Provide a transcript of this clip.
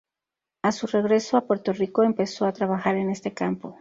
A su regreso a Puerto Rico, empezó a trabajar en este campo.